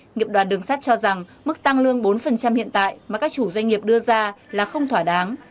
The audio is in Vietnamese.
nghiệp đoàn đường sắt cho rằng mức tăng lương bốn hiện tại mà các chủ doanh nghiệp đưa ra là không thỏa đáng